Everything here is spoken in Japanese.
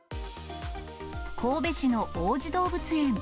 神戸市の王子動物園。